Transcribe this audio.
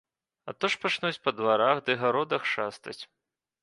А то ж пачнуць па дварах ды гародах шастаць.